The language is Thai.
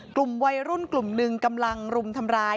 กลุ่มวัยรุ่นกลุ่มหนึ่งกำลังรุมทำร้าย